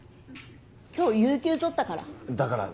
今日有休取ったから。